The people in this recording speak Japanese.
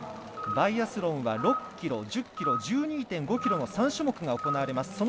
バイアスロンは６ｋｍ１０ｋｍ、１２．５ｋｍの３種目が行われます。